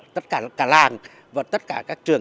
tất cả làng và tất cả các trường